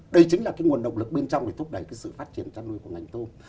đây chính là cái nguồn động lực bên trong để thúc đẩy cái sự phát triển chăn nuôi của ngành tôm